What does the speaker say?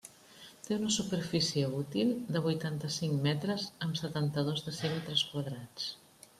Té una superfície útil de vuitanta-cinc metres amb setanta-dos decímetres quadrats.